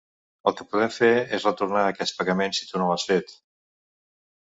El que podem fer és retornar aquest pagament si tu no l'has fet.